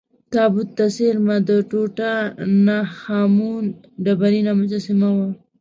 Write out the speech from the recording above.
تابوت ته څېرمه د ټوټا ن خا مون ډبرینه مجسمه وه.